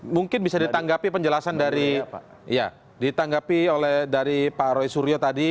mungkin bisa ditanggapi penjelasan dari pak roy suryo tadi